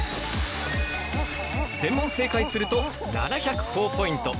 全問正解すると７００ほぉポイント。